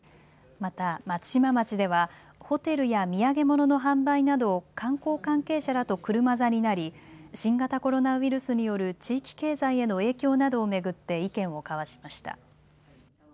また松島町ではホテルや土産物の販売など観光関係者らと車座になり新型コロナウイルスによる地域経済への影響などを巡って意見を交わしました。